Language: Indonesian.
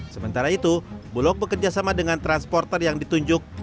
sementara itu bulog bekerjasama dengan transporter yang ditunjuk